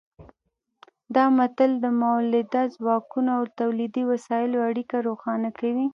دا مثال د مؤلده ځواکونو او تولیدي وسایلو اړیکه روښانه کوي.